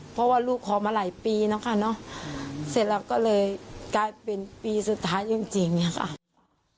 เพราะว่าลูกขอมาหลายปีแล้วค่ะเนอะเสร็จแล้วก็เลยกลายเป็นปีสุดท้ายจริงจริงค่ะ